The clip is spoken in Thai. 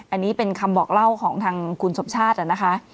อันนี้เป็นคำบอกเล่าของทางคุณสมชาตินะคะ